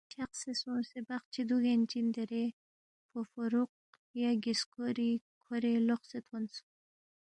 چھقسے سونگسے بقچی دُوگین چی دیرے فوفوروق یا گِسکوری کھورے لوقسے تھونس